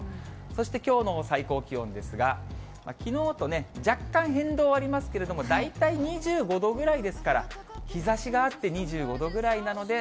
そして、きょうの最高気温ですが、きのうとね、若干変動ありますけれども、大体２５度ぐらいですから、日ざしがあって２５度ぐらいなので。